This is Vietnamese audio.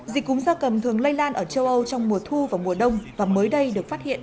dịch cúm gia cầm thường lây lan ở châu âu trong mùa thu và mùa đông và mới đây được phát hiện